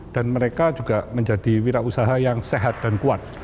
dan mereka juga menjadi wira usaha yang sehat dan kuat